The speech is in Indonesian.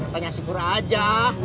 panyasin pura aja